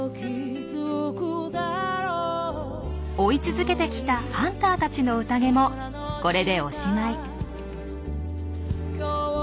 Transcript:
追い続けてきたハンターたちのうたげもこれでおしまい。